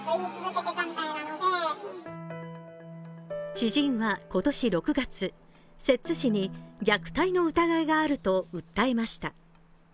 知人は今年６月、摂津市に虐待の疑いがあると訴えました。